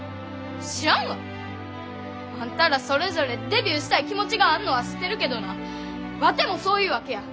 知らんわ！あんたらそれぞれデビューしたい気持ちがあんのは知ってるけどなワテもそういうわけや！